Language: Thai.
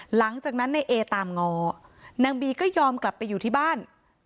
หลังจากนั้นในเอตามง้อนางบีก็ยอมกลับไปอยู่ที่บ้าน